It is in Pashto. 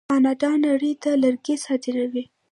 کاناډا نړۍ ته لرګي صادروي.